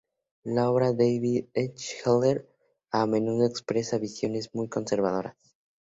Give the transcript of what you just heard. La obra de David H. Keller a menudo expresa visiones muy conservadoras.